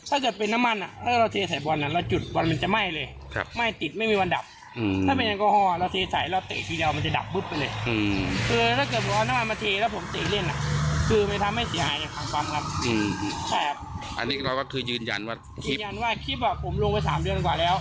อันนี้เราก็คือยืนยันว่ายืนยันว่าคลิปผมลงไป๓เดือนกว่าแล้ว